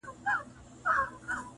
• دښمن راغلی د کتابونو -